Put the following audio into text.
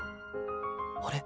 あれ？